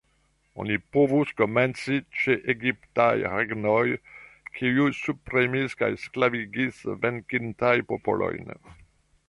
Oni povus komenci ĉe egiptaj regnoj, kiuj subpremis kaj sklavigis venkitajn popolojn.